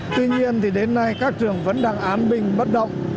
tuy nhiên thì đến nay các trường vẫn đang án bình bất động